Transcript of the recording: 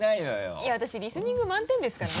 いや私リスニング満点ですからね？